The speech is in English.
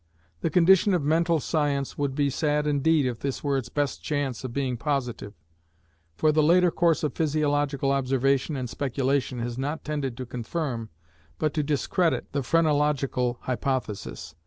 The condition of mental science would be sad indeed if this were its best chance of being positive; for the later course of physiological observation and speculation has not tended to confirm, but to discredit, the phrenological hypothesis.